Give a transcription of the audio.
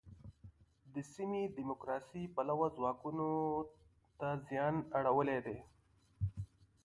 د سیمې دیموکراسي پلوو ځواکونو ته زیان اړولی دی.